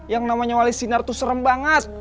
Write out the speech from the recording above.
yang namanya wali sinar tuh serem banget